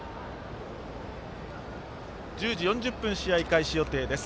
１０時４０分試合開始予定です。